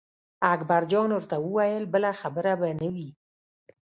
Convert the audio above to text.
اکبر جان ورته وویل بله خبره به نه وي.